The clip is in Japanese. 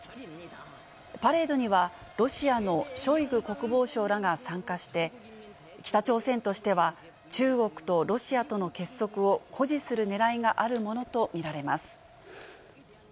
パレードには、ロシアのショイグ国防相らが参加して、北朝鮮としては、中国とロシアとの結束を誇示するねらいがあるものと見られます。